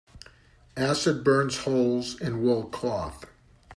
Acid burns holes in wool cloth.